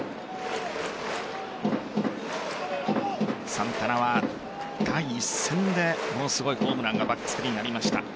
サンタナは第１戦でものすごいホームランがバックスクリーンにありました。